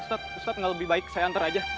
ustadz ustadz gak lebih baik saya antar aja